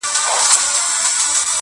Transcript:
د تهمتونو سنګسارونو شور ماشور تر کلي.!